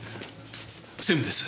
専務です。